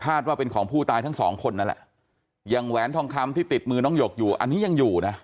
ว่าเป็นของผู้ตายทั้งสองคนนั่นแหละอย่างแหวนทองคำที่ติดมือน้องหยกอยู่อันนี้ยังอยู่นะ